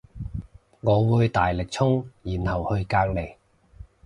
我會大力衝然後去隔籬